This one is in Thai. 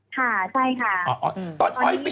ตอนนี้อ้อยอยู่ในพื้นที่ค่ะพี่